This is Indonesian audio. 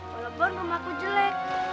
kalau lebor rumahku jelek